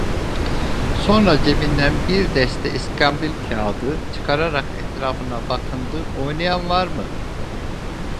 Sonra cebinden bir deste iskambil kâğıdı çıkararak etrafına bakındı: "Oynayan var mı?"